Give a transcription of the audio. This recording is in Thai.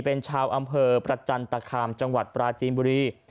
เป็นชาวอำเภอประจันตคามจังหวัดปราจีนบุรี